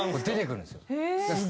出てくるんですよ。